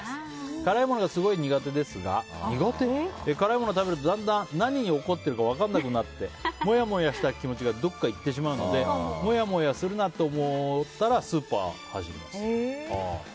辛いものがすごい苦手ですが辛いものを食べるとだんだん何に怒っているか分からなくなってモヤモヤした気持ちがどっか行ってしまうのでモヤモヤするなと思ったらスーパーへ走ります。